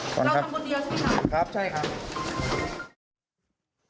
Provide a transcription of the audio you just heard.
เราทำคนเดียวใช่ไหมคะครับใช่ครับ